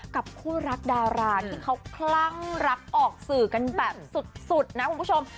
กับคู่รักดาราที่เขาคลั่งรักออกสื่อกันแบบสุดนะคุณผู้ชม